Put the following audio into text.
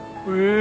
え！